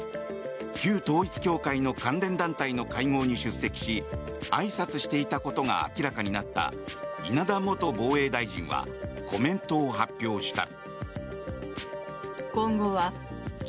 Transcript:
旧統一教会の関連団体の会合に出席しあいさつしていたことが明らかになった稲田元防衛大臣はコメントを発表した。